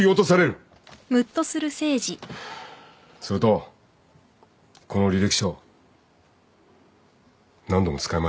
それとこの履歴書何度も使い回ししてんだろ。